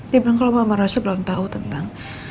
dia bilang kalau mama rosa belum tahu tentang